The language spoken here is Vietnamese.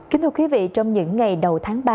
kính thưa quý vị trong những ngày đầu tháng ba